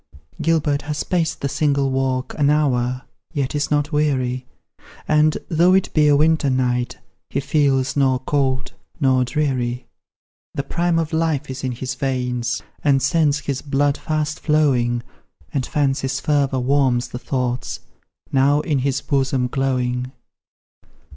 Gilbert has paced the single walk An hour, yet is not weary; And, though it be a winter night He feels nor cold nor dreary. The prime of life is in his veins, And sends his blood fast flowing, And Fancy's fervour warms the thoughts Now in his bosom glowing.